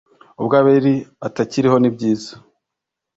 ubwo Abeli atakiriho ni byiza